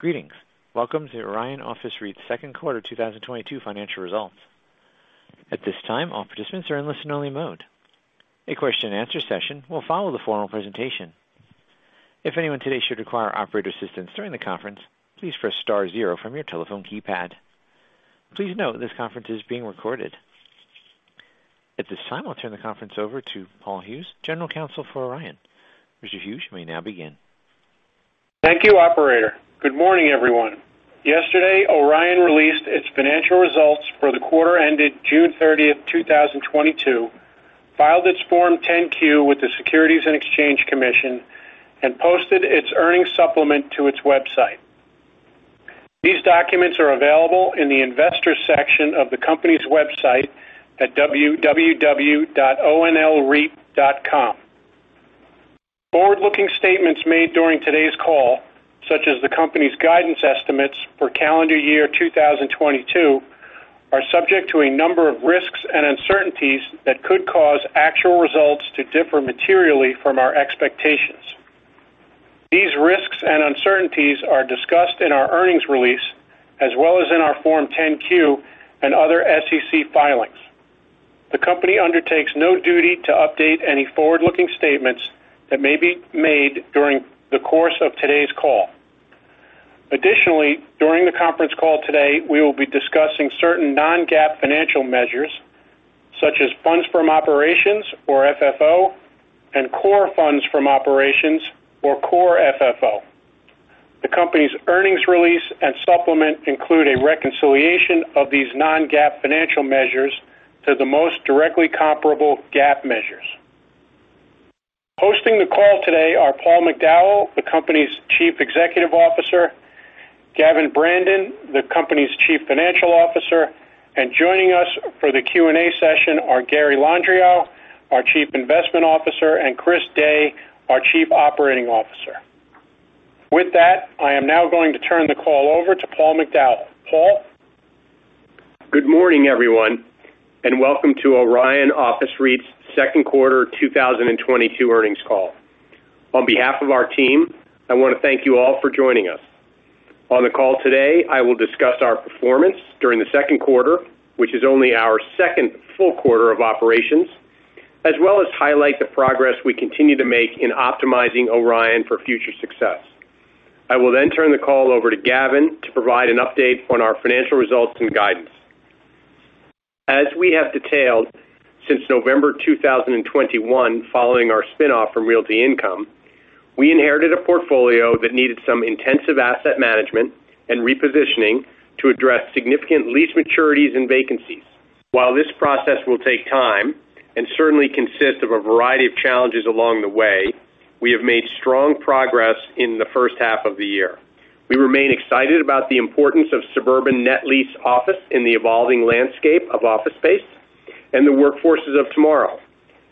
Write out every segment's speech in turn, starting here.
Greetings. Welcome to Orion Office REIT's second quarter 2022 financial results. At this time, all participants are in listen-only mode. A question-and-answer session will follow the formal presentation. If anyone today should require operator assistance during the conference, please press star zero from your telephone keypad. Please note this conference is being recorded. At this time, I'll turn the conference over to Paul Hughes, General Counsel for Orion. Mr. Hughes, you may now begin. Thank you, operator. Good morning, everyone. Yesterday, Orion released its financial results for the quarter ended June 30, 2022, filed its Form 10-Q with the Securities and Exchange Commission, and posted its earnings supplement to its website. These documents are available in the Investors section of the company's website at www.onlreit.com. Forward-looking statements made during today's call, such as the company's guidance estimates for calendar year 2022, are subject to a number of risks and uncertainties that could cause actual results to differ materially from our expectations. These risks and uncertainties are discussed in our earnings release as well as in our Form 10-Q and other SEC filings. The company undertakes no duty to update any forward-looking statements that may be made during the course of today's call. Additionally, during the conference call today, we will be discussing certain non-GAAP financial measures such as funds from operations or FFO and core funds from operations or Core FFO. The company's earnings release and supplement include a reconciliation of these non-GAAP financial measures to the most directly comparable GAAP measures. Hosting the call today are Paul McDowell, the company's Chief Executive Officer, Gavin Brandon, the company's Chief Financial Officer, and joining us for the Q&A session are Gary Landriau, our Chief Investment Officer, and Chris Day, our Chief Operating Officer. With that, I am now going to turn the call over to Paul McDowell. Paul? Good morning, everyone, and welcome to Orion Office REIT's second quarter 2022 earnings call. On behalf of our team, I want to thank you all for joining us. On the call today, I will discuss our performance during the second quarter, which is only our second full quarter of operations, as well as highlight the progress we continue to make in optimizing Orion for future success. I will then turn the call over to Gavin to provide an update on our financial results and guidance. As we have detailed since November 2021 following our spin-off from Realty Income, we inherited a portfolio that needed some intensive asset management and repositioning to address significant lease maturities and vacancies. While this process will take time and certainly consist of a variety of challenges along the way, we have made strong progress in the first half of the year. We remain excited about the importance of suburban net lease office in the evolving landscape of office space and the workforces of tomorrow,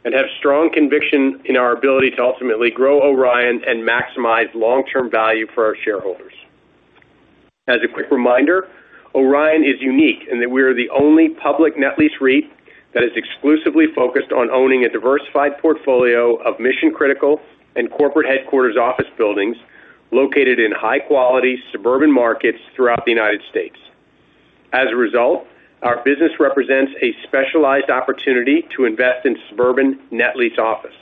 and have strong conviction in our ability to ultimately grow Orion and maximize long-term value for our shareholders. As a quick reminder, Orion is unique in that we are the only public net lease REIT that is exclusively focused on owning a diversified portfolio of mission-critical and corporate headquarters office buildings located in high-quality suburban markets throughout the United States. As a result, our business represents a specialized opportunity to invest in suburban net lease office.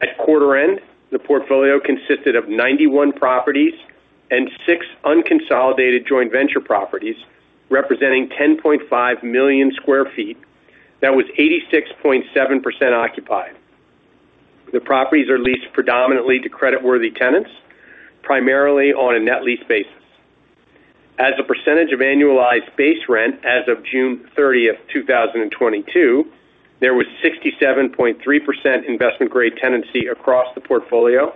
At quarter end, the portfolio consisted of 91 properties and 6 unconsolidated joint venture properties representing 10.5 million sq ft that was 86.7% occupied. The properties are leased predominantly to creditworthy tenants, primarily on a net lease basis. As a percentage of annualized base rent as of June 30, 2022, there was 67.3% investment-grade tenancy across the portfolio,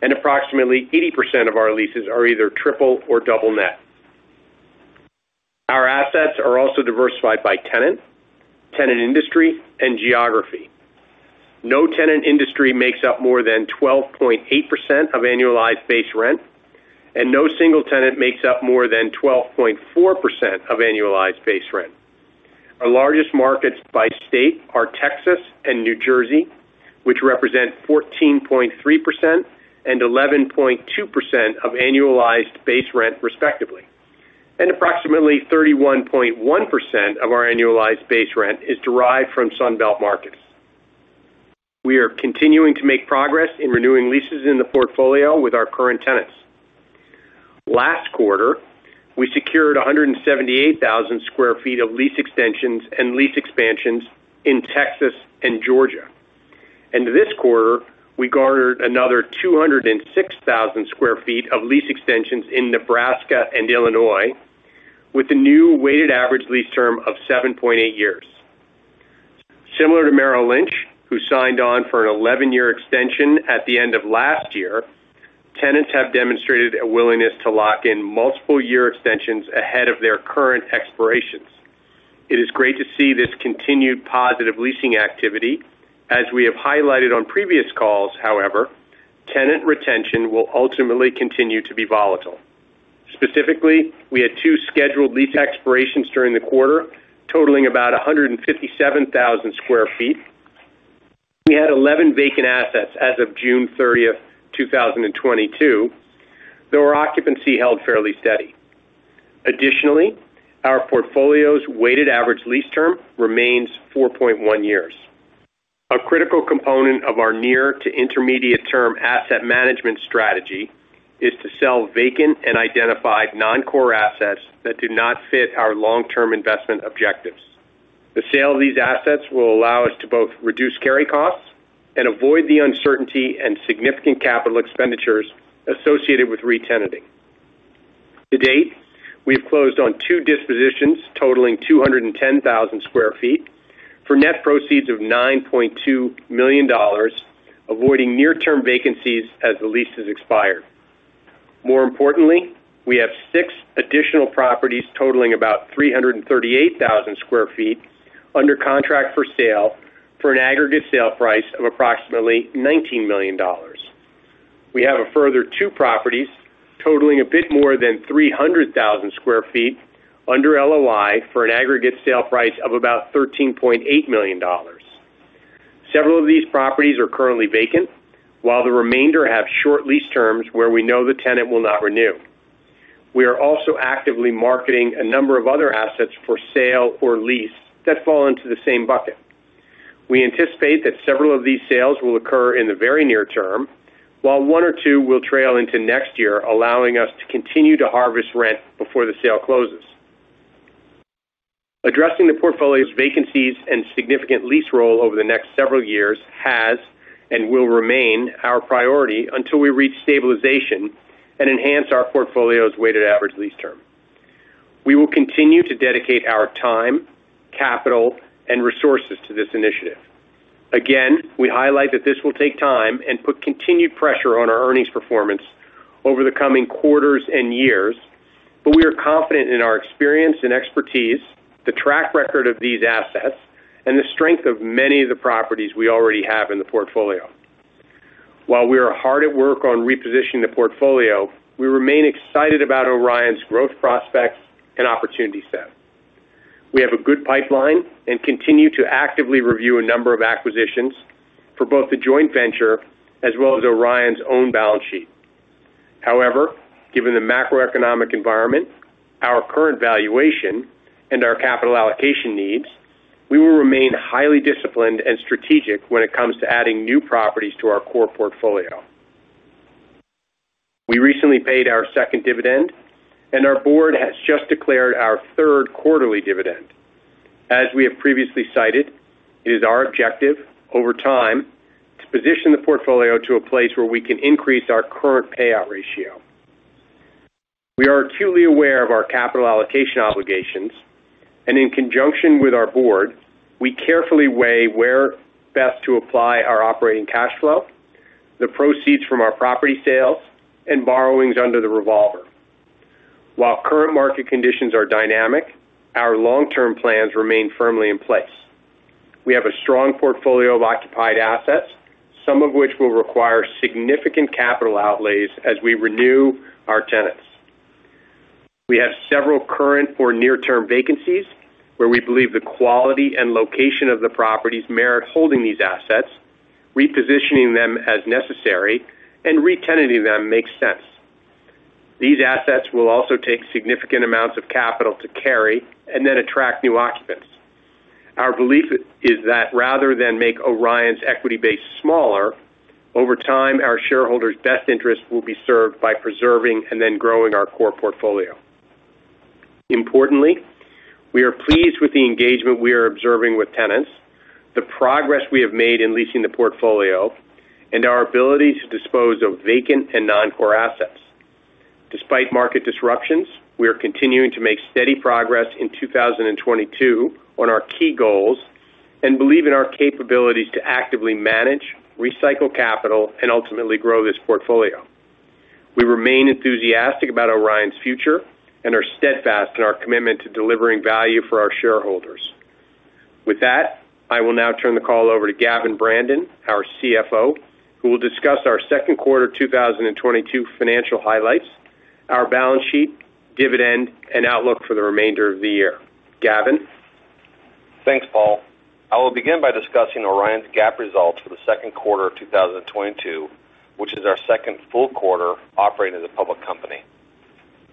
and approximately 80% of our leases are either triple or double net. Our assets are also diversified by tenant industry, and geography. No tenant industry makes up more than 12.8% of annualized base rent, and no single tenant makes up more than 12.4% of annualized base rent. Our largest markets by state are Texas and New Jersey, which represent 14.3% and 11.2% of annualized base rent respectively, and approximately 31.1% of our annualized base rent is derived from Sunbelt markets. We are continuing to make progress in renewing leases in the portfolio with our current tenants. Last quarter, we secured 178,000 sq ft of lease extensions and lease expansions in Texas and Georgia. This quarter, we garnered another 206,000 sq ft of lease extensions in Nebraska and Illinois with a new weighted average lease term of 7.8 years. Similar to Merrill Lynch, who signed on for an 11-year extension at the end of last year, tenants have demonstrated a willingness to lock in multiple year extensions ahead of their current expirations. It is great to see this continued positive leasing activity. As we have highlighted on previous calls, however, tenant retention will ultimately continue to be volatile. Specifically, we had two scheduled lease expirations during the quarter, totaling about 157,000 sq ft. We had 11 vacant assets as of June 30, 2022, though our occupancy held fairly steady. Additionally, our portfolio's weighted average lease term remains 4.1 years. A critical component of our near to intermediate term asset management strategy is to sell vacant and identified non-core assets that do not fit our long-term investment objectives. The sale of these assets will allow us to both reduce carry costs and avoid the uncertainty and significant capital expenditures associated with re-tenanting. To date, we've closed on two dispositions totaling 210,000 sq ft for net proceeds of $9.2 million, avoiding near-term vacancies as the leases expired. More importantly, we have six additional properties totaling about 338,000 sq ft under contract for sale for an aggregate sale price of approximately $19 million. We have a further two properties totaling a bit more than 300,000 sq ft under LOI for an aggregate sale price of about $13.8 million. Several of these properties are currently vacant, while the remainder have short lease terms where we know the tenant will not renew. We are also actively marketing a number of other assets for sale or lease that fall into the same bucket. We anticipate that several of these sales will occur in the very near term, while one or two will trail into next year, allowing us to continue to harvest rent before the sale closes. Addressing the portfolio's vacancies and significant lease roll over the next several years has and will remain our priority until we reach stabilization and enhance our portfolio's weighted average lease term. We will continue to dedicate our time, capital, and resources to this initiative. Again, we highlight that this will take time and put continued pressure on our earnings performance over the coming quarters and years. We are confident in our experience and expertise, the track record of these assets, and the strength of many of the properties we already have in the portfolio. While we are hard at work on repositioning the portfolio, we remain excited about Orion's growth prospects and opportunity set. We have a good pipeline and continue to actively review a number of acquisitions for both the joint venture as well as Orion's own balance sheet. However, given the macroeconomic environment, our current valuation, and our capital allocation needs, we will remain highly disciplined and strategic when it comes to adding new properties to our core portfolio. We recently paid our second dividend, and our board has just declared our third quarterly dividend. As we have previously cited, it is our objective over time to position the portfolio to a place where we can increase our current payout ratio. We are acutely aware of our capital allocation obligations, and in conjunction with our board, we carefully weigh where best to apply our operating cash flow, the proceeds from our property sales, and borrowings under the revolver. While current market conditions are dynamic, our long-term plans remain firmly in place. We have a strong portfolio of occupied assets, some of which will require significant capital outlays as we renew our tenants. We have several current or near-term vacancies where we believe the quality and location of the properties merit holding these assets, repositioning them as necessary, and re-tenanting them makes sense. These assets will also take significant amounts of capital to carry and then attract new occupants. Our belief is that rather than make Orion's equity base smaller, over time, our shareholders' best interest will be served by preserving and then growing our core portfolio. Importantly, we are pleased with the engagement we are observing with tenants, the progress we have made in leasing the portfolio, and our ability to dispose of vacant and non-core assets. Despite market disruptions, we are continuing to make steady progress in 2022 on our key goals and believe in our capabilities to actively manage, recycle capital, and ultimately grow this portfolio. We remain enthusiastic about Orion's future and are steadfast in our commitment to delivering value for our shareholders. With that, I will now turn the call over to Gavin Brandon, our CFO, who will discuss our second quarter 2022 financial highlights, our balance sheet, dividend, and outlook for the remainder of the year. Gavin? Thanks, Paul. I will begin by discussing Orion's GAAP results for the second quarter of 2022, which is our second full quarter operating as a public company.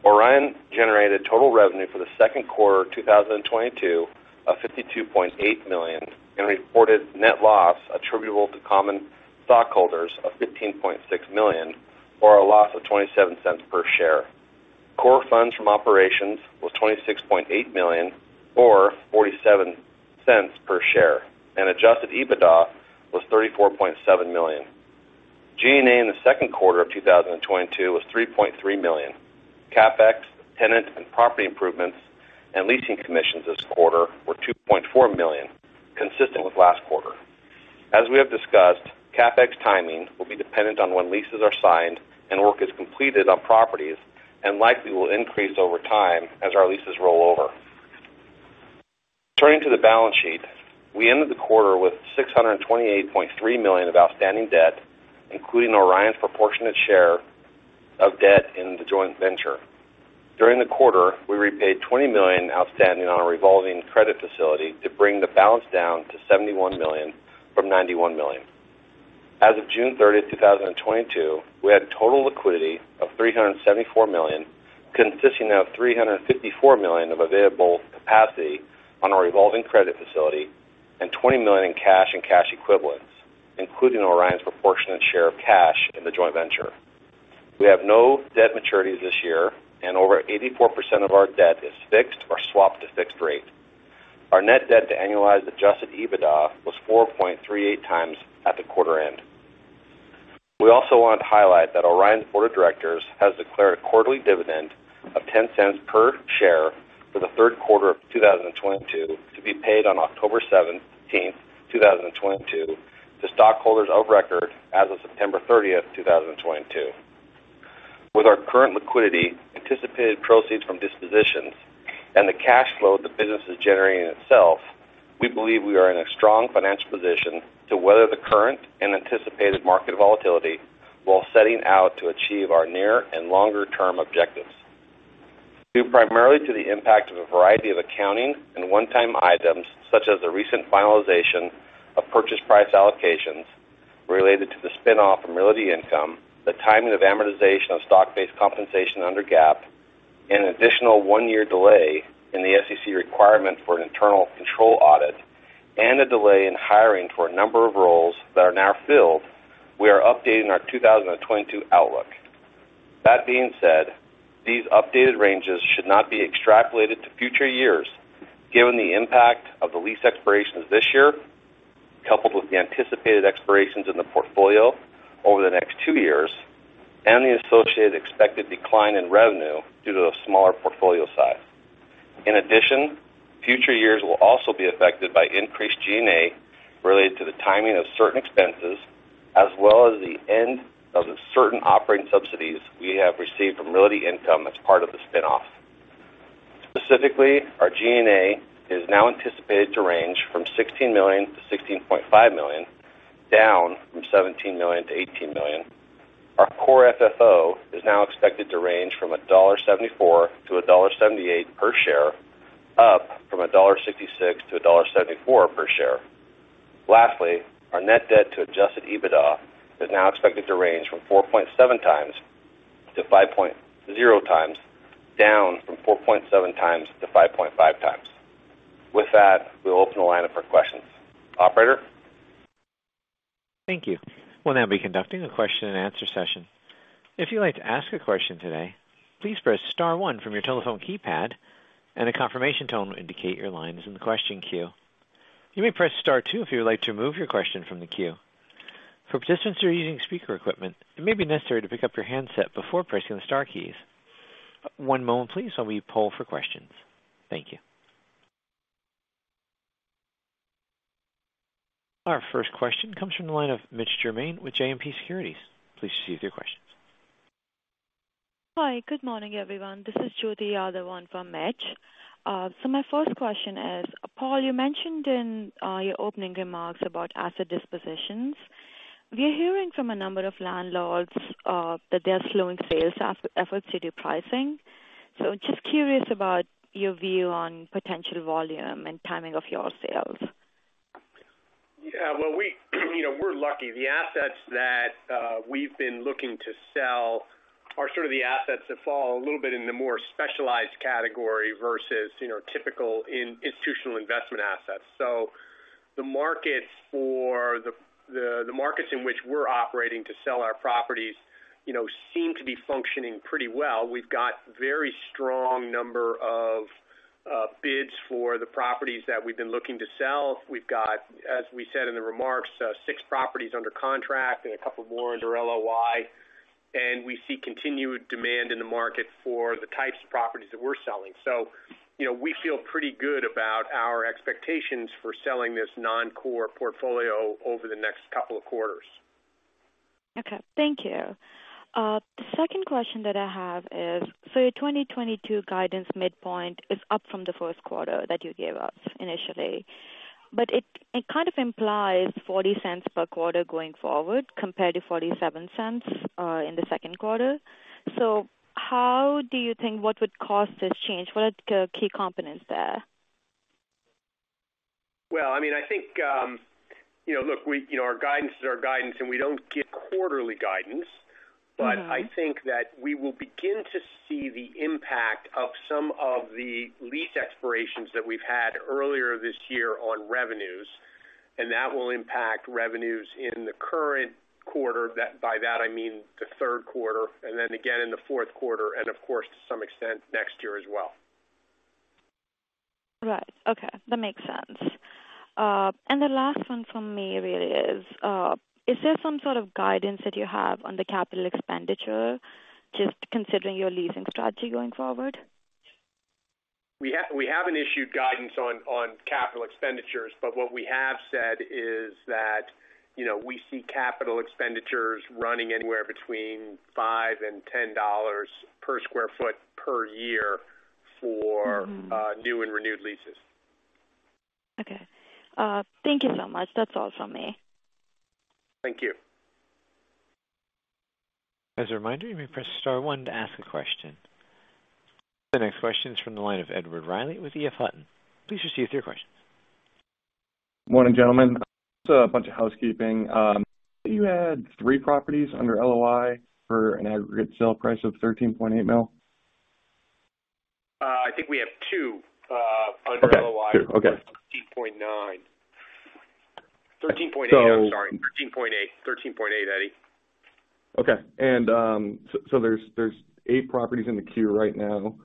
Orion generated total revenue for the second quarter of 2022 of $52.8 million, and reported net loss attributable to common stockholders of $15.6 million, or a loss of $0.27 per share. Core funds from operations was $26.8 million or $0.47 per share, and adjusted EBITDA was $34.7 million. G&A in the second quarter of 2022 was $3.3 million. CapEx, tenant and property improvements, and leasing commissions this quarter were $2.4 million, consistent with last quarter. As we have discussed, CapEx timing will be dependent on when leases are signed and work is completed on properties, and likely will increase over time as our leases roll over. Turning to the balance sheet, we ended the quarter with $628.3 million of outstanding debt, including Orion's proportionate share of debt in the joint venture. During the quarter, we repaid $20 million outstanding on a revolving credit facility to bring the balance down to $71 million from $91 million. As of June 30, 2022, we had total liquidity of $374 million, consisting of $354 million of available capacity on our revolving credit facility and $20 million in cash and cash equivalents, including Orion's proportionate share of cash in the joint venture. We have no debt maturities this year, and over 84% of our debt is fixed or swapped to fixed rate. Our net debt to annualized adjusted EBITDA was 4.38 times at the quarter end. We also want to highlight that Orion's board of directors has declared a quarterly dividend of $0.10 per share for the third quarter of 2022 to be paid on October 17, 2022 to stockholders of record as of September 30, 2022. With our current liquidity, anticipated proceeds from dispositions, and the cash flow the business is generating itself, we believe we are in a strong financial position to weather the current and anticipated market volatility while setting out to achieve our near and longer-term objectives. Due primarily to the impact of a variety of accounting and one-time items, such as the recent finalization of purchase price allocations related to the spin-off from Realty Income, the timing of amortization of stock-based compensation under GAAP, and an additional one-year delay in the SEC requirement for an internal control audit, and a delay in hiring for a number of roles that are now filled, we are updating our 2022 outlook. That being said, these updated ranges should not be extrapolated to future years given the impact of the lease expirations this year, coupled with the anticipated expirations in the portfolio over the next two years, and the associated expected decline in revenue due to a smaller portfolio size. In addition, future years will also be affected by increased G&A related to the timing of certain expenses as well as the end of certain operating subsidies we have received from Realty Income as part of the spin-off. Specifically, our G&A is now anticipated to range from $16 million-$16.5 million, down from $17 million-$18 million. Our core FFO is now expected to range from $1.74-$1.78 per share, up from $1.66-$1.74 per share. Lastly, our net debt to adjusted EBITDA is now expected to range from 4.7x-5.0x, down from 4.7x-5.5x. With that, we'll open the line up for questions. Operator? Thank you. We'll now be conducting a question-and-answer session. If you'd like to ask a question today, please press star one from your telephone keypad and a confirmation tone will indicate your line is in the question queue. You may press star two if you would like to remove your question from the queue. For participants who are using speaker equipment, it may be necessary to pick up your handset before pressing the star keys. One moment please while we poll for questions. Thank you. Our first question comes from the line of Mitch Germain with JMP Securities. Please proceed with your questions. Hi. Good morning, everyone. This is Jyoti Yadav for Mitch. My first question is, Paul, you mentioned in your opening remarks about asset dispositions. We are hearing from a number of landlords that they're slowing sales efforts due to pricing. Just curious about your view on potential volume and timing of your sales. Yeah. Well, we, you know, we're lucky. The assets that we've been looking to sell are sort of the assets that fall a little bit in the more specialized category versus, you know, typical institutional investment assets. So the markets for the markets in which we're operating to sell our properties, you know, seem to be functioning pretty well. We've got very strong number of bids for the properties that we've been looking to sell. We've got, as we said in the remarks, six properties under contract and a couple more under LOI, and we see continued demand in the market for the types of properties that we're selling. So, you know, we feel pretty good about our expectations for selling this non-core portfolio over the next couple of quarters. Okay. Thank you. The second question that I have is, your 2022 guidance midpoint is up from the first quarter that you gave us initially. But it kind of implies $0.40 per quarter going forward compared to $0.47 in the second quarter. How do you think what would cause this change? What are the key components there? Well, I mean, I think, you know, look, we, you know, our guidance is our guidance, and we don't give quarterly guidance. Mm-hmm. I think that we will begin to see the impact of some of the lease expirations that we've had earlier this year on revenues, and that will impact revenues in the current quarter. By that, I mean the third quarter and then again in the fourth quarter and of course, to some extent next year as well. Right. Okay. That makes sense. The last one from me really is there some sort of guidance that you have on the capital expenditure just considering your leasing strategy going forward? We haven't issued guidance on capital expenditures, but what we have said is that, you know, we see capital expenditures running anywhere between $5 and $10 per sq ft per year. Mm-hmm. New and renewed leases. Okay. Thank you so much. That's all from me. Thank you. As a reminder, you may press star one to ask a question. The next question is from the line of Edward Riley with E.F. Hutton. Please go ahead with your question. Morning, gentlemen. A bunch of housekeeping. You had three properties under LOI for an aggregate sale price of $13.8 million. I think we have two under LOI. Okay. Two. Okay. Thirteen point nine. Thirteen point eight. So- I'm sorry. 13.8, Eddie. Okay. There's eight properties in the queue right now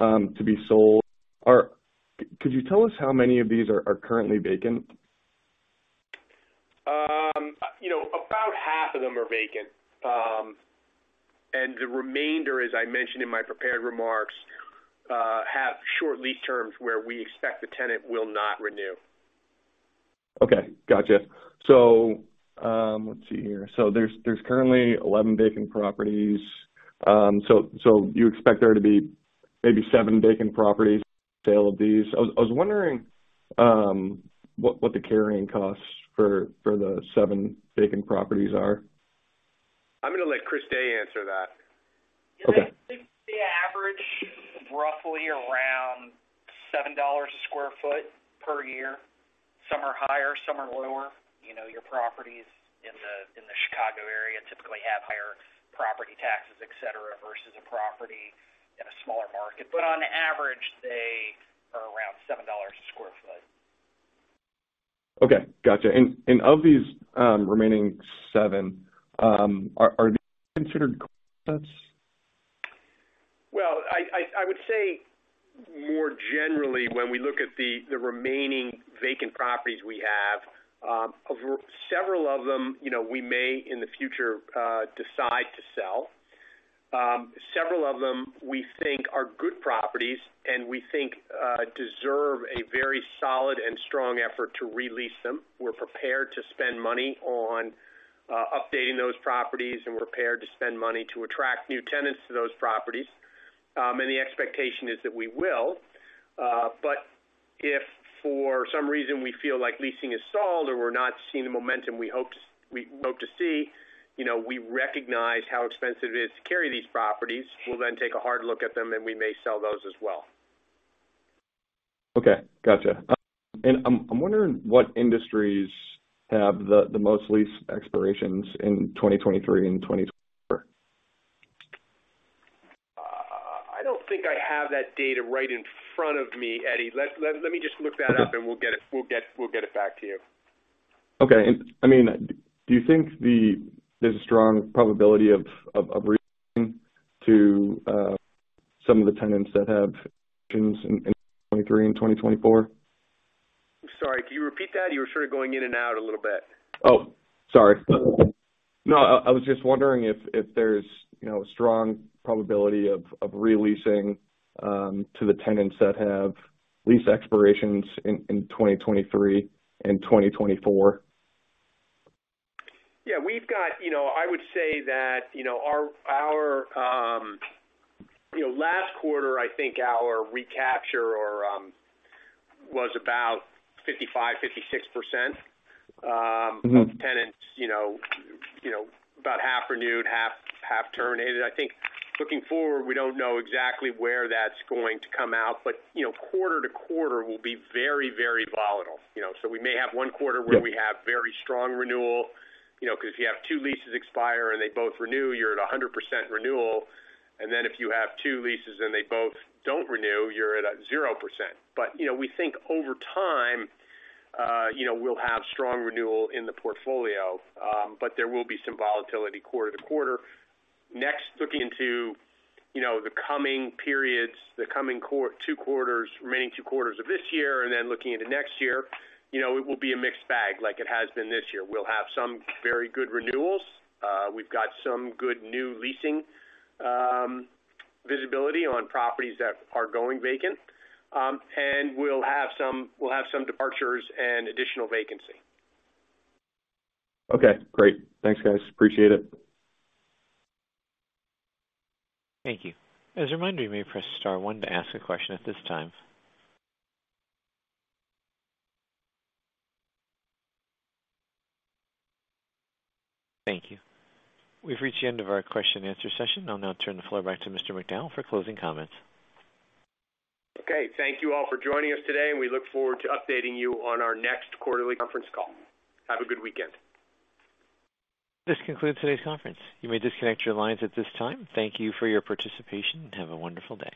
to be sold. Could you tell us how many of these are currently vacant? You know, about half of them are vacant. The remainder, as I mentioned in my prepared remarks, have short lease terms where we expect the tenant will not renew. Okay, gotcha. Let's see here. There's currently 11 vacant properties. You expect there to be maybe seven vacant properties sale of these. I was wondering what the carrying costs for the seven vacant properties are. I'm gonna let Chris Day answer that. Okay. They average roughly around $7 a sq ft per year. Some are higher, some are lower. You know, your properties in the Chicago area typically have higher property taxes, et cetera, versus a property in a smaller market. On average, they are around $7 a sq ft. Okay, gotcha. Of these remaining seven, are they considered? Well, I would say more generally when we look at the remaining vacant properties we have. Several of them, you know, we may in the future decide to sell. Several of them we think are good properties, and we think deserve a very solid and strong effort to re-lease them. We're prepared to spend money on updating those properties, and we're prepared to spend money to attract new tenants to those properties. The expectation is that we will. If for some reason we feel like leasing is stalled or we're not seeing the momentum we hope to see, you know, we recognize how expensive it is to carry these properties. We'll then take a hard look at them, and we may sell those as well. Okay. Gotcha. I'm wondering what industries have the most lease expirations in 2023 and 2024. I don't think I have that data right in front of me, Eddie. Let me just look that up, and we'll get it back to you. I mean, do you think there's a strong probability of re-leasing to some of the tenants that have options in 2023 and 2024? Sorry, can you repeat that? You were sort of going in and out a little bit. Oh, sorry. No, I was just wondering if there's, you know, a strong probability of re-leasing to the tenants that have lease expirations in 2023 and 2024. Yeah. We've got you know, I would say that, you know, last quarter, I think our recapture or was about 55%-56%. Mm-hmm. of tenants, you know, about half renewed, half terminated. I think looking forward, we don't know exactly where that's going to come out, but you know, quarter to quarter will be very, very volatile, you know. We may have one quarter where we have very strong renewal, you know, 'cause if you have two leases expire and they both renew, you're at a 100% renewal. Then if you have two leases and they both don't renew, you're at a 0%. You know, we think over time, you know, we'll have strong renewal in the portfolio, but there will be some volatility quarter to quarter. Next, looking into, you know, the coming periods, the coming two quarters, remaining two quarters of this year, and then looking into next year, you know, it will be a mixed bag like it has been this year. We'll have some very good renewals. We've got some good new leasing, visibility on properties that are going vacant. We'll have some departures and additional vacancy. Okay, great. Thanks, guys. Appreciate it. Thank you. As a reminder, you may press star one to ask a question at this time. Thank you. We've reached the end of our question and answer session. I'll now turn the floor back to Mr. McDowell for closing comments. Okay. Thank you all for joining us today, and we look forward to updating you on our next quarterly conference call. Have a good weekend. This concludes today's conference. You may disconnect your lines at this time. Thank you for your participation, and have a wonderful day.